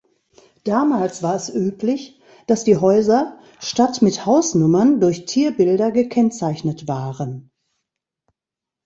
Damals war es üblich, dass die Häuser statt mit Hausnummern durch Tierbilder gekennzeichnet waren.